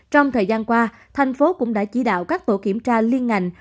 trong thời gian qua thành phố cũng đã chỉ đạo các tổ kiểm tra liên ngành